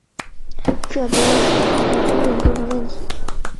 这都是还在争论中的问题。